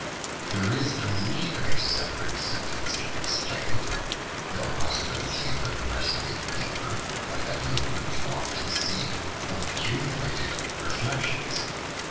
There is no need of a separate sentence to explain it; no possibility of impressing it deeper, by that load we too often see of accumulated reflections."